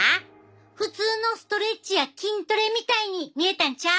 普通のストレッチや筋トレみたいに見えたんちゃう？